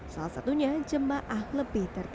salah satunya jemaah lebih tertib